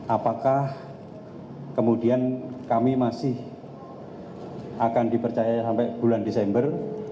apakah kemudian kami masih akan dipercaya sampai bulan desember